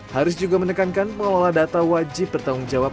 haris juga menekankan pengelola data wajib bertanggung jawab